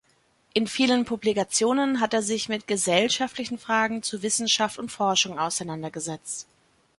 In vielen Publikationen hat er sich mit gesellschaftlichen Fragen zu Wissenschaft und Forschung auseinandergesetzt.